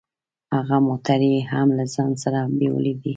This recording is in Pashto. هو موټر يې هم له ځان سره بيولی دی.